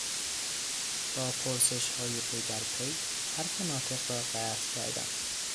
با پرسشهای پیدرپی حرف ناطق را قطع کردن